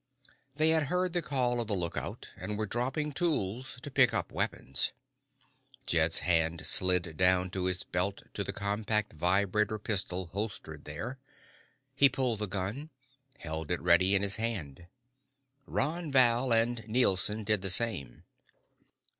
They had heard the call of the lookout and were dropping tools to pick up weapons. Jed's hand slid down to his belt to the compact vibration pistol holstered there. He pulled the gun, held it ready in his hand. Ron Val and Nielson did the same.